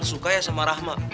lo suka ya sama rahmat